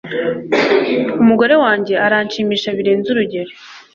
Umugore wanjye aranshimisha birenze urugero